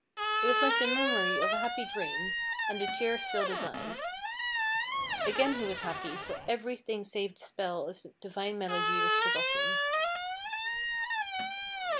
It was like the memory of a happy dream, and the tears filled his eyes. Again he was happy, for every thing save the spell of the divine melody was forgotten.